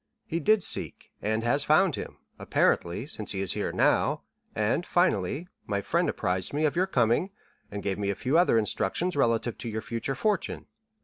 He did seek, and has found him, apparently, since he is here now; and, finally, my friend apprised me of your coming, and gave me a few other instructions relative to your future fortune.